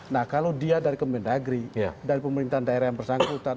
nah kalau dia dari kemendagri dari pemerintahan daerah yang bersangkutan